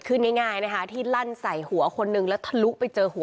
ขึ้นง่ายนะคะที่ลั่นใส่หัวคนนึงแล้วทะลุไปเจอหัว